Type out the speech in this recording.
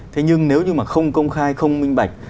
thế nhưng nếu như mà không công khai không minh bạch